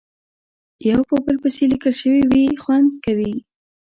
یو په بل پسې لیکل شوې وي خوند کموي.